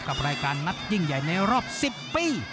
กับรายการนัดยิ่งใหญ่ในรอบ๑๐ปี